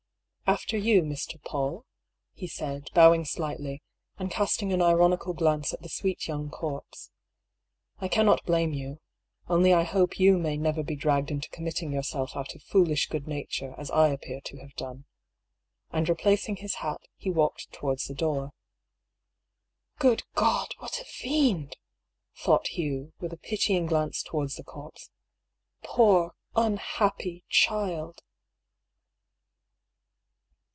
"After you, Mr. PauU," he said, bowing slightly, and casting an ironical glance at the sweet young corpse. " I cannot blame you. Only I hope you may never be dragged into committing yourself out of foolish good nature, as I appear to have done." And replacing his hat, he walked towards the door. " Good God — what a fiend !" thought Hugh, with a pitying glance towards the corpse. " Poor — ^unhappy — child